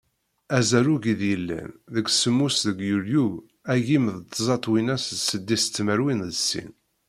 Azarug i d-yellan, deg semmus deg yulyu, agim d tẓa twinas d seddis tmerwin d sin.